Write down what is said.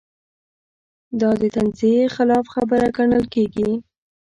دا د تنزیې خلاف خبره ګڼل کېږي.